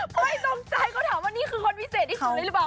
ไม่ตรงใจเขาถามว่านี่คือคนพิเศษที่สุดเลยหรือเปล่า